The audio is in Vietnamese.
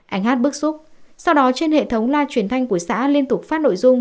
anh hát bức xúc sau đó trên hệ thống loa truyền thanh của xã liên tục phát nội dung